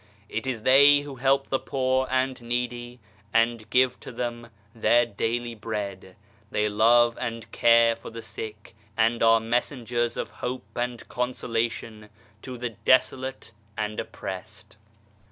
It is they who help the poor and needy and give to them their daily bread. They love and care for the sick and are messengers of hope and consolation to the desolate and oppressed.